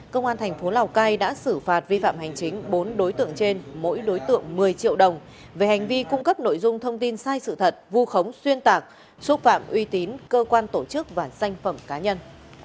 công an thành phố lào cai đã xử phạt vi phạm hành chính bốn đối tượng trên mỗi đối tượng một mươi triệu đồng về hành vi cung cấp nội dung thông tin sai sự thật vu khống xuyên tạc xúc phạm uy tín cơ quan tổ chức và danh phẩm cá nhân